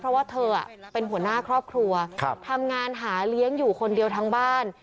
เพราะว่าเธอเป็นหัวหน้าครอบครัวทำงานหาเลี้ยงอยู่คนเดียวทั้งบ้าน